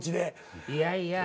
いやいや。